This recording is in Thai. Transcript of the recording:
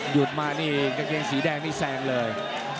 หยุดมานี่กางเกงสีแดงนี่แซงเลย